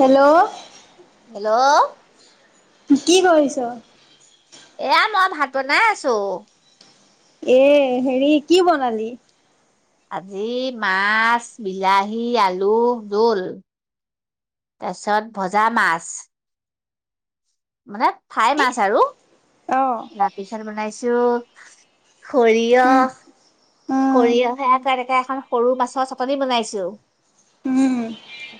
Hello কি কৰিছ? এয়া মই ভাত বনাই আছো। এ হেৰি কি বনালি? আজি মাছ বিলাহী আলু জোল। তাৰপিছত ভজা মাছ। মানে ফাই মাছ আৰু অ', তাৰপিছত বনাইছো সৰিয়হ, উম, উম, সৰিয়হে আ এনেকে এখন সৰু মাছৰ চাটনি বনাইছো উম,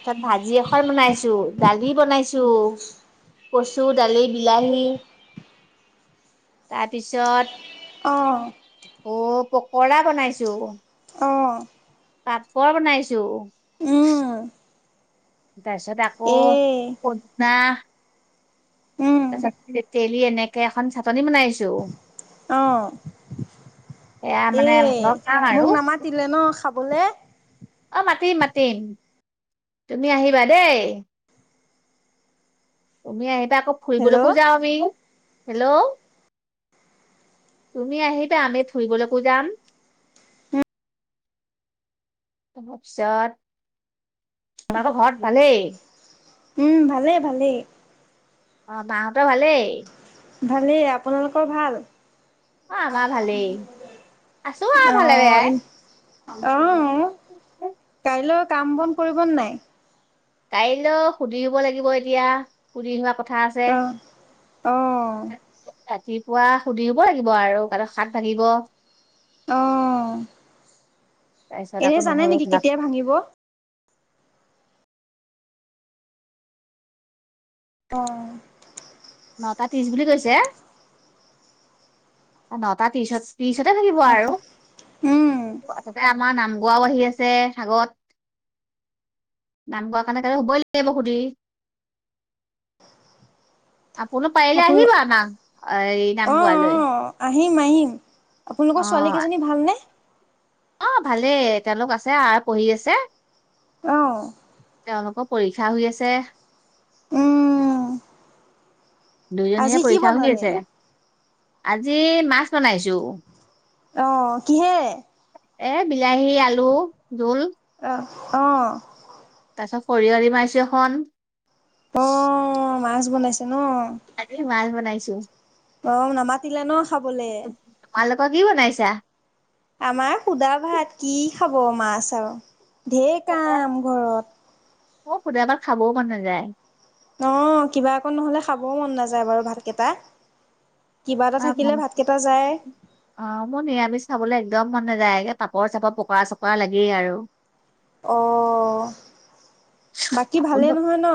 তাৰপিছত ভাজি এখন বনাইছো দালি বনাইছো। কচু, দালি, বিলাহী তাৰপিছত অ', অ পকৰা বনাইছো অ', পাপৰ বনাইছো। উম, তাৰপিছত আকৌ এ, পদিনা উম, তাৰছত তেতেলী এনেকে এখন চাটনি বনাইছো। অঁ সেয়া এ মানে ভাতৰ খাম মোক আৰু নামাতিলে ন, খাবলে? অ মাতিম মাতিম তুমি আহিবা দেই। তুমি আহিবা আকৌ হেল্ল' ফুৰিবলৈকো যাওঁ আমি হেল্ল'। তুমি আহিবা আমি ফুৰিবলৈকো যাম। উম, তাৰপিছত মাকৰ ঘৰত ভালেই। উম ভালেই ভালেই। অ মাহতৰ ভালেই। ভালেই আপোনালোকৰ ভাল? অ আমাৰ ভালেই আছো আৰু ভালে বেয়াই অহঁ। আহ কাইলৈ কাম বন কৰিব ন নাই। কাইলৈও সুধি আহব লাগিব এতিয়া সুধি হোৱা কথা। আছে অ, অ। ৰাতিপুৱা সুধব লাগিব আৰু ক হাত ভাঙিব। অ তাৰপিছত এনে আকৌ জানে নহৰু নেকি কেতিয়া ভাঙিব। অ। নটা ত্ৰিশ বুলি কৈছে নটা ত্ৰিশত। তিছতে থাকিব আৰু উম, তে আমাৰ নামঘৰাও আহি আছে আগত। নাম গোৱাৰ কাৰণে হ'বই লাগিব সুধি আপুনি পাৰিলে আপোন আহিব আনাম এই নাম- নাম অ', গোৱালৈ। অ', আহিম- আহিম অ আপোনালোকৰ ছোৱালীকেইজনী ভালনে? অহ, ভালেই তেওঁলোক আছে আ পঢ়ি আছে। অহ তেওঁলোকৰ পৰীক্ষা হৈ আছে উম আজি দুইজনীয়ে কি পৰীক্ষা শুধি বনালে? আছে আজি মাছ বনাইছো। অহ, কিহে? এ' বিলাহী -আলু জুল। অহ -অহ চব খৰিয় দি মাৰিছো এখন। অহ, মাছ বনাইছে ন'। আজি মাছ বনাইছো। অহ, নামাতিলে ন' খাবলে? তোমালোকৰ কি বনাইছা আমাৰ সুদা ভাত কি খাব মাছ আৰু ঢেৰ কাম ঘৰত। মই সোধা ভাত খাবও মন নাযায়। অহ, কিবা অকণ নহলে খাবও মন নাযায় বাৰু ভাতকেইটা। কিবা এটা অহ, থাকিলে ভাতকেইটা যায়। [unintelligible] মই নিৰামিছ খাবলে একদম মন নাযায়ে পাপৰ -চাপৰ, পকৰা- চকৰা লাগেই আৰু। অ', [unintelligible] বাকী ভালেই নহয় ন?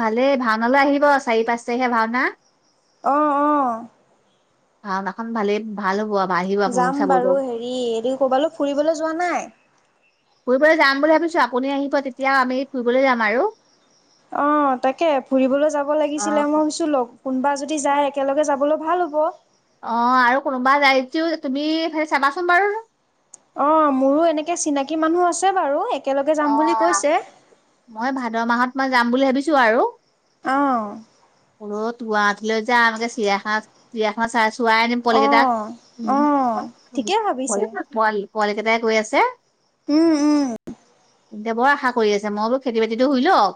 ভালেই ভাওনা লৈ আহিব। চাৰি- পাঁচ তাৰিখে ভাওনা। অহ - অহ ভাওনাখন ভালেই -ভাল হ'ব। আৰু আহিব আপোনালোক যাম বাৰু চাবলৈ হেৰি এইটো ক'বালো ফুৰিবলৈ যোৱা নাই? ফুৰিবলৈ যাম বুলি ভাবিছো আপুনি আহিব তেতিয়া আমি ফুৰিবলৈ যাম আৰু। অহ, তাকে ফুৰিবলৈ যাব অ লাগিছিলে মই ভাবিছোঁ লগ কোনোবা যদি যায় একেলগে যাবলৈ ভাল হ'ব। অহ, আৰু কোনোবা যাই যদিও তুমি হেই চাবাচোন বাৰু। অহ, মোৰো এনেকে চিনাকী মানুহ আছে বাৰু একেলগে যাম বুলি কৈছে। দহ মাহত মই যাম বুলি ভাবিছো আৰু। আ -ও গুৱাহাটীলৈ যা আগতে চিৰিয়াখানা- চিৰিয়াখানা চাই চোৱাই আনিম অ পোৱালি কেইটাক। অ ঠিকে ভাবিছে পোৱালি কেইটাই কৈ আছে। উম- উম সিহঁতে বৰ আশা কৰি আছে মই বোলো খেতি -বাতিতো হুই লওক।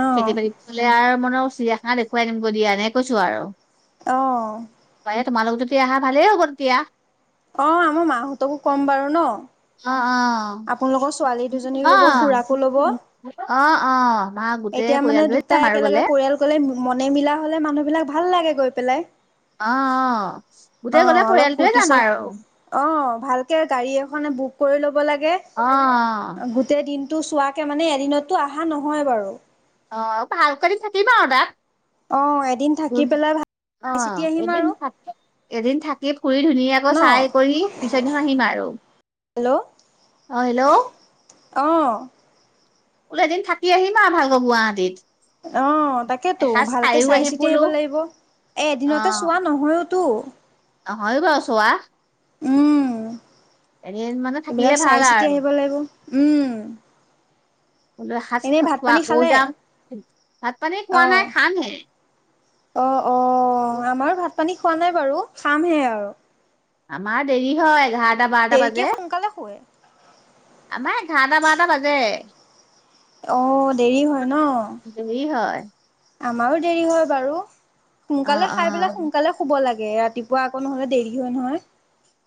অ খেতি -বাতি হ'লে আৰু মনৰ চিৰিয়াখানা দেখুৱাই আনিম গৈ দিয়া এনেকে কৈছো আৰু। অ পাৰিলে তোমালোক যদি আহা ভালেই হ'ব তেতিয়া।। অহ, আমাৰ মাহঁতকো কম বাৰু ন'? অ', আপোনালোকৰ ছোৱালী দুজনীক - অ', অহ ল'ব খুৰাকো ল'ব। -অহ -অহ- অহ -অহ ভা গোটেই পৰিয়ালটোৱে যাম তাই আৰু একেলগে গ'লে পৰিয়াল গ'লে মনে মিলা হলে মানুহবিলাক ভাল লাগে গৈ পেলাই। অ', -অ', গোটেই অ', গলে অলপ পৰিয়ালটোৱে ফূৰ্তি যাম চত আৰু। অ', ভালকে গাড়ী এখনে বুক কৰি ল'ব লাগে অ গোটেই দিন টো চোৱাকে মানে এদিনততো আহা নহয় বাৰু। অহ, ভাল কৰি থাকিম আৰু তাত। অহ, এদিন থাকি পেলাই ভা অহ, এদিন থাকি- এদিন থাকি ফুৰি ধুনীয়াকৈ ন চাই কৰি পিছতদিনাখন আহিম আৰু। হেল্ল'! অ হেল্ল'! অঁ। বোলো এদিন থাকি আহিম আৰু ভালকৈ গুৱাহাটীত। অ তাকেতো এসাঁজ ভালকে খাইও চাই আহি চিতি বোলো আহিব লাগিব, এ এদিনতে চোৱা নহয়ও টো। নহয় বাৰু চোৱা। উম। এদিন মানে থাকিলে এইবিলাক চাই ভাল চিতি আৰু আহিব লাগিব। উম। বোলো এসাঁজ এনেই ভাত পানী খোৱাকো খালে? যাম। ভাত পানী খোৱা নাই অ', খামহে। অ অ আমাৰো ভাত পানী খোৱা নাই বাৰু খামহে আৰু। আমাৰ দেৰি হয় এঘাৰ টা বাৰটা দেৰিকে বাজে সোনকালে শুৱে। আমাৰ এঘাৰটা বাৰটা বাজে। অহ দেৰি হয় দেৰি হয় ন? আমাৰো দেৰি হয় বাৰু অ সোনকালে অ খাই পেলাই সোনকালে শুব লাগে। এ ৰাতিপুৱা আকৌ নহলে দেৰি হয় নহয়।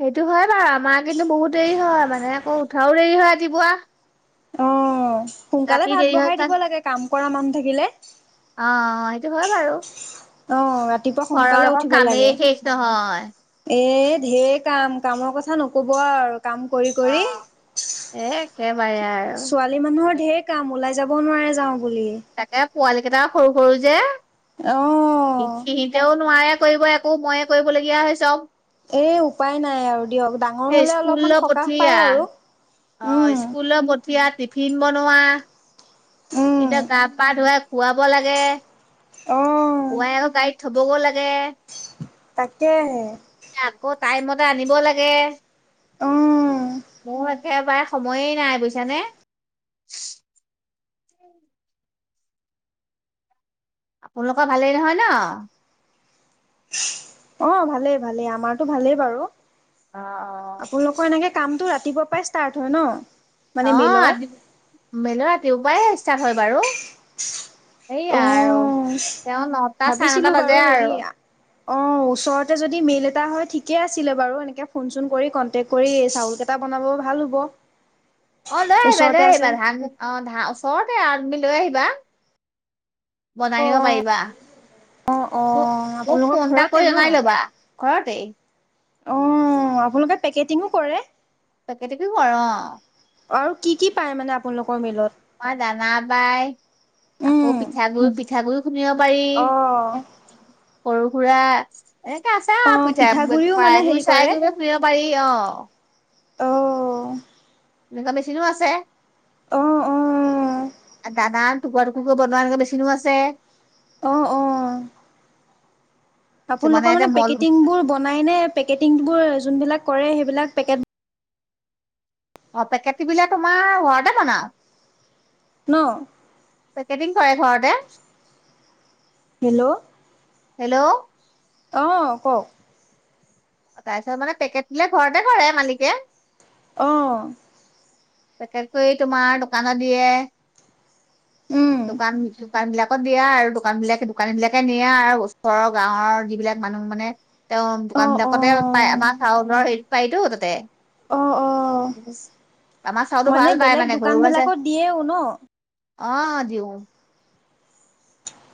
সেইটো হয় বাৰু আমাৰ কিন্তু বহুত দেৰি হয় মানে আকৌ উঠাও দেৰি হয় ৰাতিপুৱা। অ' সোনকালে ৰাতি ভাত দেৰি হয় বহাই তাত দিব লাগে কাম কৰা মানুহ থাকিলে। অ সেইটো হয় বাৰু অ ৰাতিপুৱা ঘৰৰ সোনকালে এখন উঠিব লাগে, কামেই শেষ নহয় এ ধেৰ‌কাম, কামৰ কথা নকব আৰু কাম কৰি অ কৰি এ একেবাৰে আৰু ছোৱালী মানুহৰ ধেৰ কাম ওলাই যাবও নোৱাৰে যাওঁ বুলি। তাকে পোৱালি কেইটাও সৰু সৰু যে, অ' সিহিতেও নোৱাৰে কৰিব একো ময়ে কৰিবলগীয়া হৈ চব। এ উপায় নাই আৰু দিয়ক ডাঙৰ সেই হলে অলপমান স্কুললৈ সকাহ পঠিয়া পায় আৰু। অ উম স্কুললৈ পঠিয়া, টিফিন বনোৱা। উম কিবা গা পা ধুৱাই খুৱাব লাগে। অ' পুৱাই আকৌ গাড়ীত থবগৈ লাগে, তাকেহে। আকৌ টাইমতে আনিব লাগে। অঁ। মোৰ একেবাৰে সময়েই নাই বুজিছানে? উম। আপোনালোকৰ ভালেই নহয় ন? অ ভালেই ভালেই আমাৰতো ভালেই বাৰু অ', আপোনালোকৰ এনেকে। কামটো ৰাতিপুৱা পৰাই ষ্টাৰ্ট হয় ন। মানে অ মিলৰ? আতি মেলা ৰাতি পৰাই ষ্টাৰ্ট হয় বাৰু। সেয়া আৰু অ', তেওঁ নটা চাৰে নটা ভাবিছিলোঁ বাৰু বাজে হেৰি আৰু। অ ওচৰতে যদি মেইল এটা হয় ঠিকে আছিলে বাৰু এনেকে ফোন চোন কৰি কণ্টেক্ট কৰি চাউলকেইটা। বনাব ভাল হ'ব। [inaudible] অ লৈ আহিবা ওচৰতে লৈ আছে। আহিবা ধান আহ ধা ওচৰতে আৰু তুমি লৈ আহিবা। বনাইনিব অ', পাৰিবা। অ', হো অ', মোক আপোনালোকৰ ফোন এটা ঘৰতে কৰি জনাই ন'? ল'বা ঘৰতে। অ আপোনালোকে পেকেটিঙো কৰে। পেকেটিঙো কৰো অ। আৰু কি কি পায় মানে আপোনালোকৰ মিলত। মই দানা বাই উম, শুনিব পাৰি অ', সৰু সুৰা। এনেকে আছে আৰু অ', পিঠাই প পিঠাগুৰিও মানে কৰাই হেৰি গুৰি চাৰাই কৰে? গুৰি খুন্দীব পাৰি অ। অ'। এনেকুৱা মেচিনো আছে। অ', অ', দানা টুকুৰা টুকুৰক বনোৱা মেচিনো আছে। অ অ। কিছুমানে আপোনালোকৰ এতিয়া মানে মল পেকেটিংবোৰ বনাই নে পেকেটিংবোৰ যোনবিলাক [unintelligible] কৰে সেইবিলাক পেকেট। অ পেকেটি বিলাক তোমাৰ ঘৰতে বনাও। ন। পেকেটিং কৰে ঘৰতে। হেল্ল'। হেল্ল'। অ কওক। তাৰপিছত মানে পেকেট বিলাক ঘৰতে ধৰে মালিকে। অ পেকট কৰি তোমাৰ দোকানত দিয়ে উম, দোকান। দোকান বিলাকত দিয়া আৰু দোকান বিলাক দোকানী বিলাকে নিয়া আৰু ওচৰৰ গাঁৱৰ যিবিলাক মানুহ মানে। তেওঁ দোকান অ', বিলাকতে পাই অ', আমাৰ গাঁওৰ হেৰিত পায়তো তাতে। অ', অ'। হচ [unintelligible] আমাৰ চাউলো ভাল পায় বেলেগ মানে ঘৰু আছে দোকানবিলাকত দিয়েও ন অ দিওঁ।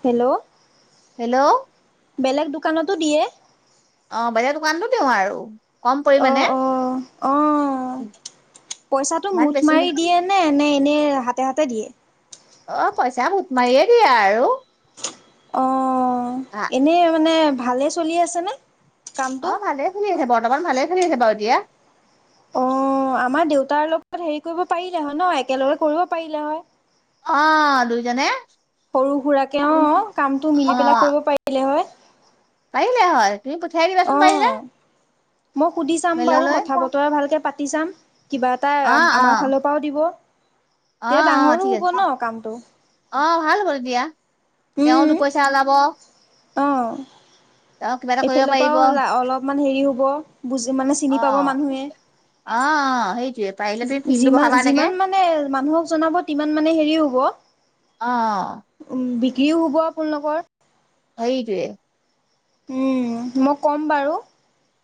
হেল্ল'। হেল্ল'। বেলেগ দোকানতো দিয়ে। অ বাহিৰ দোকানটো দিওঁ আৰু। কম অ পৰিমাণে অ অ পইচাটো ইমান মুঠ বেছি মাৰি দিয়ে নে নে। এ হাতে হাতে দিয়ে। অ পইচা ভোক মাৰিয়ে দিয়া আৰু। অ এনেই মানে ভালে চলি আছেনে। কামটো? অ ভালে খেলি আছে বৰ্তমান ভালে খেল আছে বাৰু এতিয়া। অ আমাৰ দেউতাৰ লগত হেৰি কৰিব পাৰিলে হয় ন একেলগে কৰিব পাৰিলে হয়। অ দুইজনে। সৰু সুৰাকে কে অ কামটো অ মিলি পেলাই কৰিব পাৰিলে হয়। ইলে হয় তুমি পঠিয়াই দিবাচোন পাৰিলে। অ', মই সুধি চাম বাৰু মেললৈ কথা বতৰা ভালকে পাতি চাম কিবা এটা অ অ আমাৰ ফালৰ পৰাও দিব। অ তেতিয়া অ ডাঙৰো ঠিক হ'ব আছে ন কামটো। অ ভাল হ'ব তেতিয়া। তেওঁ দুপইচা ওলাব। আহ তেওঁ কিবা এটা কৰিব এইফালৰ পাৰিব পৰাও অ হ'ল অলপমান হেৰি হ'ব বুজ মানে অ চিনি পাব মানুহে অ সেই যিমান যিমান মানে মানুহক জনাব সিমান মানে হেৰি হ'ব। অ কি হ'ব আপোনালোকৰ সেইটোৱেই উম মই কম বাৰু।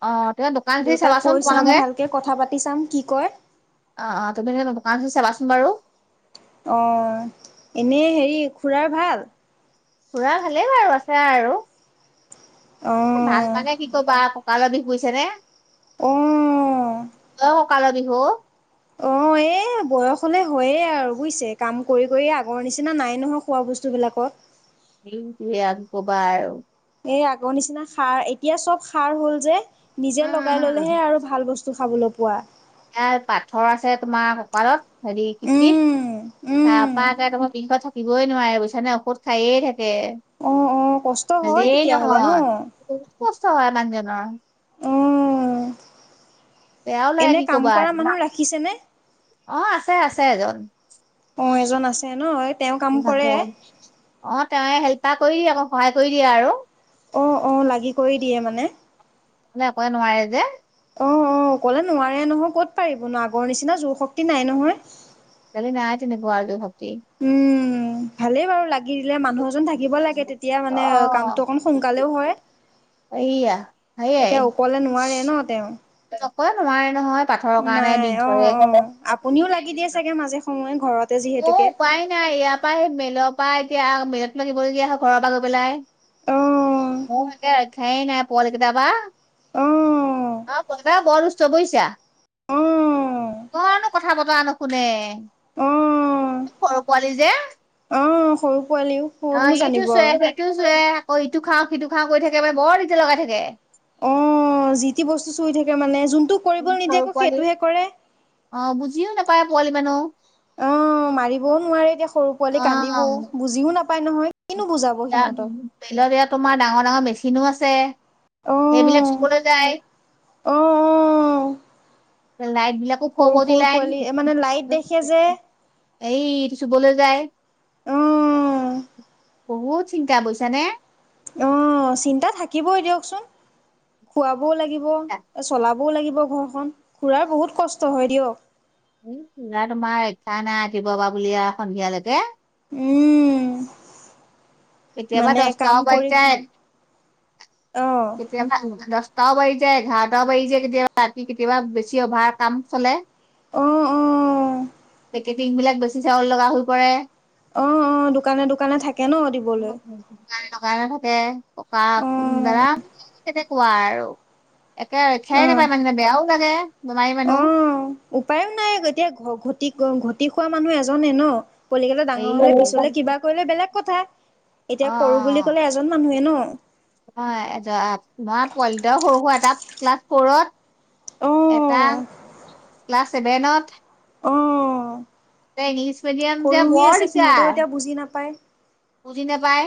অ ত দোকান ধৰি দেউতাক কৈ চাবাচোন চাম তোমালোকে। ভালকে কথা পাতি চাম কি কয়। অ অ তুমি দোকান চাবাচোন বাৰু অ এনে হেৰি খুৰাৰ ভাল? খুৰা ভালেই বাৰু আছে আৰু ভাল অ', ভানে কি কবা আক ককালৰ বিষ হৈছে অ'। অ ককালৰ বিষ অ এ বয়স হলে হয়য়ে আৰু বুজিছে কাম কৰি কৰি আগৰ নিচিনা নাই নহয়। খোৱা ব বস্তুবিলাকত সেইটো আৰু কি কবা আৰু এই আগৰ নিচিনা সাৰ এতিয়া চব সাৰ হ'ল যে নিজে লগাই উম ললেহে আৰু ভাল বস্তু খাবলৈ পোৱা ইয়াৰ পাথৰ আছে তোমাৰ কপালত হেৰি কিতনীত। উম, উম। তাপা এদখত বিষত থাকিবই নোৱাৰে বুইছানে ঔষধ খায়ে থাকে। অ', অ', কষ্ট হয় ভালেই তেতিয়াহ'লে ন? নহয়। বহুত কষ্ট হয় মানুহজনৰ অ'। বেয়া লাগে এনে কি কাম কবা কৰা মানুহ ৰাখিছেনে? অ আছে আছে এজন অ এজন আছে নহ তেওঁ কাম কৰে তেওঁ হেল্পা কৰি দিয়ে আকৌ সহায় কৰি দিয়ে আৰু। অ অ লাগি কৰি দিয়ে মানে মানে একোৱে নোৱাৰে যে অ অ ক'লে নোৱাৰে নহয় ক'ত পাৰিব ন আগৰ নিচিনা জোৰ শক্তি নাই নহয়। কালি নাই তেনেকুৱা আৰু শক্তি। উম ভালেই বাৰু লাগি দিলে মানুহ এজন থাকিব লাগে। তেতিয়া অ মানে কামতটো অকমান সোনকালেও হয়। সেইয়া। এতিয়া অকলে নোৱাৰে ন তেওঁ নকৰে নোৱাৰে নহয় পাথৰৰ কাৰণে নাই বিষ অ অ আপুনিও লাগি দিয়ে ধৰে চাগে মাজে সময়ে ঘৰতে অ যিহেতুকে। উপায় নাই ইয়াৰ পৰা সেই মেইেলৰ পৰা এতিয়া মেলত লাগিবলগীয়া হয় ঘৰৰ পৰা গৈ পেলাই। অ মোৰ একে ৰক্ষাই নাই পোৱালি কেইটাবা অ অ পতা বচ বৈছা অ অকনো কথা বতৰা নুশুনে। অ সৰু পোৱালি যে। অ অ সৰু পোৱালিও ক'তনো এইটো জানিব চুৱে আৰু। সেইটো চুৱে আকৌ ইটো খাও সিটো খাৱ কৰি থাকে বা বৰ তেতিয়া লগাই থাকে। অ যি টি বস্তু চুই থাকে মানে যোনটো কৰিব নিদিয়ে সৰু আকৌ পোৱালি সেইটোহে কৰে। অ বুজিও নাপায় পোৱালি মানুহ। অ মাৰিবও নোৱাৰে এতিয়া সৰু পোৱালি অ কান্দিবও বুজিও নাপায় নহয়। কিনো বুজাব এ সিহঁতক। মেলত এয়া তোমাৰ ডাঙৰ ৰ মেচিনো আছে। সেই বিলাক অ', চুবলৈ যায়। অ', অ', লাইট বিলাকো সৰু খবতি সৰু লাই পোৱালি মানে লাইট দেখে যে এই চুবলৈ যায়। অ', বহুত চিন্তা বুজিছানে? অ চিন্তা থাকিবই দিয়কচোন খুৱাবও লাগিব, চলাব লাগিব ঘৰখন। খুুৰাৰ বহুত কষ্ট হয় দিয়ক। এ পূজা তোমাৰ ইচ্ছা নাই ৰাতিপুৱা পা বুলি আৰু সন্ধিয়ালৈকে উম কেতিয়াবা মানে দহটা কাম অ বাজি কৰি যাই অ', কেতিয়াবা দহ টাও বাজিছে যায় এঘাৰটাও বাজিছে কেতিয়াবা ৰাতি কেতিয়াবা বেছি অভাৰ কাম চলে। অঁ অঁ টিং বিলাক বেছি চাউল লগা হৈ পৰে অ অ দোকানে দোকানে থাকে ন দিবলৈ দোকানে দোকানে থাকে ককা অ দাদা তেনেকুৱা আৰু একে অ ৰক্ষাই নাপায় মানে বেয়াও লাগে বেমাৰী অ মানুহ উপায়ো নাই এতিয়া ঘ ঘটি ঘটি খোৱা মানুহ এজনে ন পুৱালিকেটা এই ডাঙৰ হলে অ', পিছলে কিবা কৰিলে বেলেগ কথা এতিয়া কৰো বুলি অ', কলে এজন মানুহে ন অ এ তোমাৰ পোৱালি সৰু সু এটা ক্লাছ ফৰত অ এটা ক্লাছ ছেভেনত অ ত ইংলিছ মিডিয়াম যে সৰু হৈ বৰ্ড আছে সিহঁতেও যায় এতিয়া বুজি নাপায় বুজি নাপায়